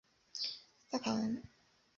萨卡文。